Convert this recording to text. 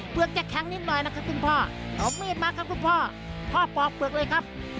จะแข็งนิดหน่อยนะครับคุณพ่อเอามีดมาครับคุณพ่อพ่อปอกเปลือกเลยครับ